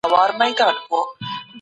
ځه ته هم پر هغه لاره